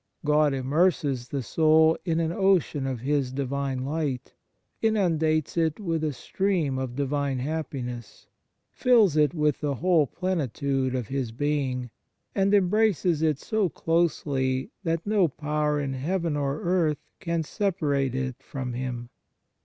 God immerses the soul in an ocean of His Divine light, inundates it with a stream of Divine happiness, fills it with the whole plenitude of His Being, and embraces it so closely that no power in heaven or earth can separate it from Him.